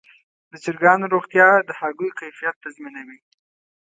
د چرګانو روغتیا د هګیو کیفیت تضمینوي.